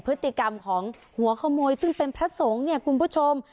พฤติกรรมของหัวขโมยซึ่งเป็นพระสงฆ์เนี่ยคุณผู้ชม